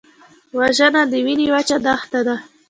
وژنه د وینې وچه دښته ده